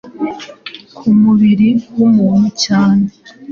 ku mubiri w’ umuntu cyane